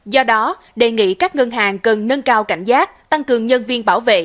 do đó đề nghị các ngân hàng cần nâng cao cảnh giác tăng cường nhân viên bảo vệ